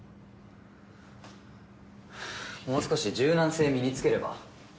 もう少し柔軟性身につければ？